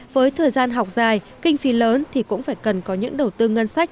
với thời gian học dài kinh phí lớn thì cũng phải cần có những đầu tư ngân sách